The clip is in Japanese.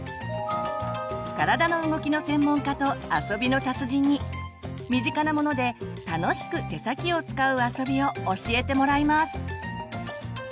体の動きの専門家と遊びの達人に身近なもので楽しく手先を使う遊びを教えてもらいます！